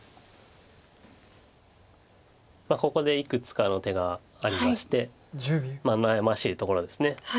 ここでいくつかの手がありまして悩ましいところです。